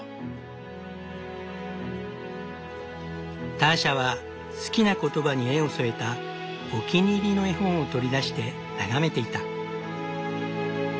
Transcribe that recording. ターシャは好きな言葉に絵を添えたお気に入りの絵本を取り出して眺めていた。